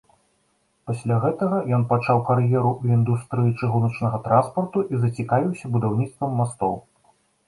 Пасля гэтага ён пачаў кар'еру ў індустрыі чыгуначнага транспарту і зацікавіўся будаўніцтвам мастоў.